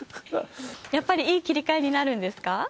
やっぱりいい切り替えになるんですか？